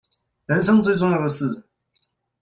人生最重要的事